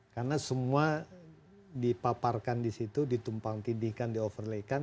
karena semua dipaparkan di situ ditumpang tindihkan dioverlay kan